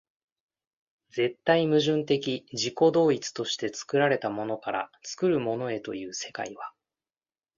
絶対矛盾的自己同一として作られたものから作るものへという世界は、